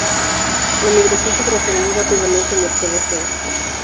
La migración se transformó rápidamente en depredación.